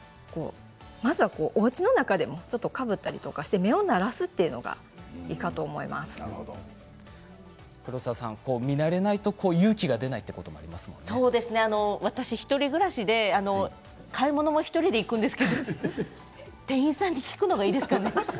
まずはおうちの中でもかぶったりしてみよう慣らすというのがいいかと黒沢さん見慣れないと勇気が出ないという私１人暮らしで買い物も１人で行くんですけど店員さんに聞くのがいいですかね。